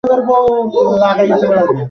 কথাটা গোবিন্দমাণিক্যের মনে লাগিল।